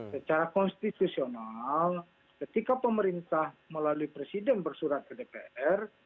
secara konstitusional ketika pemerintah melalui presiden bersurat ke dpr